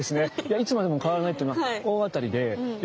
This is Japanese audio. いつまでも変わらないっていうのは大当たりで。